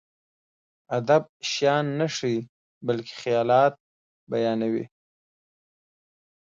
ادب شيان نه ښيي، بلکې خيالات بيانوي.